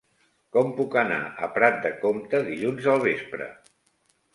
Com puc anar a Prat de Comte dilluns al vespre?